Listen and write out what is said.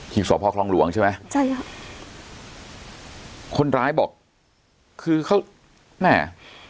ที่สพคลองหลวงใช่ไหมใช่ค่ะคนร้ายบอกคือเขาแม่